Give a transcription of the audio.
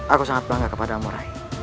aku sangat bangga kepadamu rai